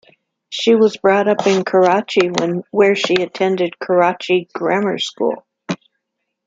She was brought up in Karachi where she attended Karachi Grammar School.